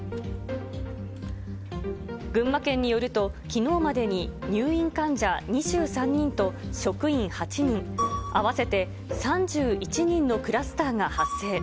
群馬県によると、きのうまでに入院患者２３人と、職員８人、合わせて３１人のクラスターが発生。